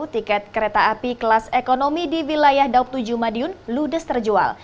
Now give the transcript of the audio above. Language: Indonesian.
tiket kereta api kelas ekonomi di wilayah daobtujumadiyun ludes terjual